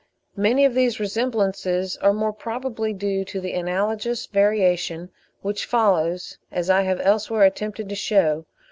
Many of these resemblances are more probably due to analogous variation, which follows, as I have elsewhere attempted to shew (10.